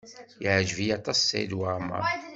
Yeɛjeb-iyi aṭas Saɛid Waɛmaṛ.